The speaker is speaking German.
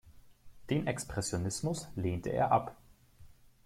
Den Expressionismus lehnte er ab.